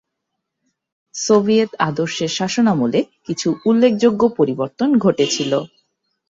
Soviet আদর্শের শাসনামলে কিছু উল্লেখযোগ্য পরিবর্তন ঘটেছিল।